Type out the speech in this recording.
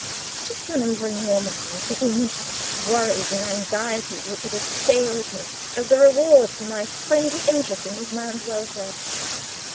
Just run over in your mind the insults, worries, and anxieties which had assailed me, as the reward for my friendly interest in this man's welfare.